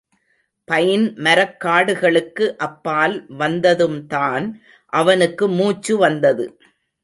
Pine மரக்காடுகளுக்கு அப்பால் வந்ததும்தான் அவனுக்கு முச்சு வந்தது.